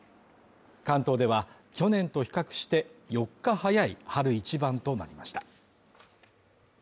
関東では、去年と比較して、４日早い春一番となりました。